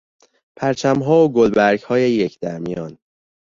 پرچمها و گلبرگهای یک در میان